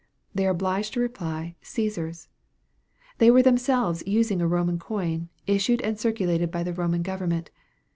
They are obliged to reply, " CassarV They were themselves using a Roman coin, issued and circulated by the Roman government.